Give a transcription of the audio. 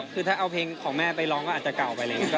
แต่ถ้าเอาเพลงของแม่ไปร้องก็อาจจะเก่าไป